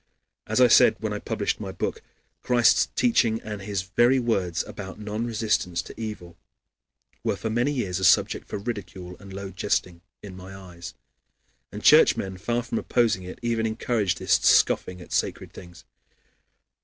As I said when I published my book, Christ's teaching and his very words about non resistance to evil were for many years a subject for ridicule and low jesting in my eyes, and Churchmen, far from opposing it, even encouraged this scoffing at sacred things.